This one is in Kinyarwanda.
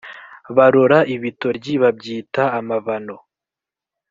Barora ibitoryi, babyita amabano;